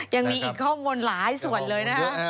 ยังมีอีกข้อมูลหลายส่วนเลยนะคะ